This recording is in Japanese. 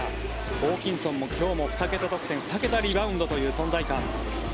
ホーキンソンも今日も２桁得点、２桁リバウンドという存在感。